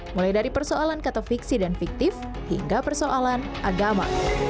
mulai dari persoalan kata fiksi dan fiktif hingga persoalan agama